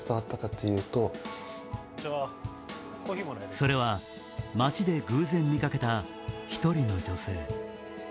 それは街で偶然見かけた一人の女性。